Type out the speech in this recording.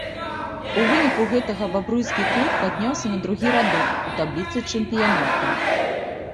У выніку гэтага бабруйскі клуб падняўся на другі радок у табліцы чэмпіянату.